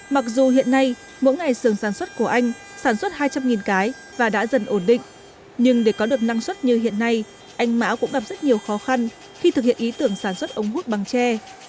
mặc dù hiện nay mỗi ngày sườn sản xuất của anh sản xuất hai trăm linh cái và đã dần ổn định nhưng để có được năng suất như hiện nay anh mão cũng gặp rất nhiều khó khăn khi thực hiện ý tưởng sản xuất ống hút bằng tre